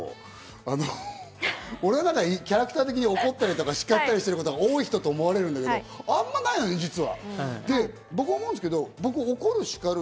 俺が言うのもなんなんだけど、俺はキャラクター的に怒ったり叱ったりすることが多い人って思われるんだけど、あんまないのね、実は。